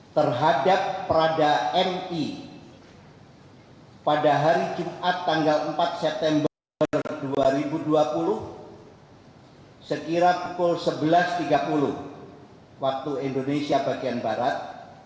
terhadap prada mi pada hari jumat tanggal empat september dua ribu dua puluh sekira pukul sebelas tiga puluh waktu indonesia bagian barat